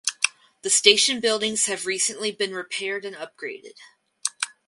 The station buildings have recently been repaired and upgraded.